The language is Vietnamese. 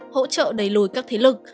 hỗ trợ đẩy lùi các thế lực